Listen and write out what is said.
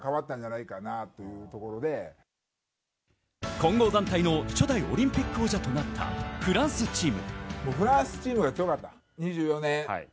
混合団体の初代オリンピック王者となったフランスチーム。